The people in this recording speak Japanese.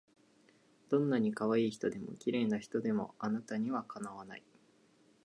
どんない可愛い人でも綺麗な人でもあなたには敵わない